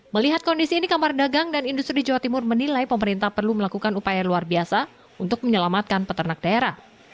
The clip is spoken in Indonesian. melihat kondisi ini kamar dagang dan industri di jawa timur menilai pemerintah perlu melakukan upaya luar biasa untuk menyelamatkan peternak daerah